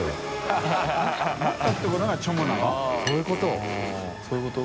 あっそういうこと？